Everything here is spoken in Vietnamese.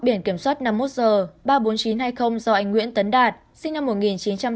biển kiểm soát năm mươi một h ba mươi bốn nghìn chín trăm hai mươi do anh nguyễn tấn đạt sinh năm một nghìn chín trăm tám mươi